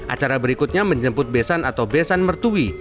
acara berikutnya menjemput besan atau besan mertui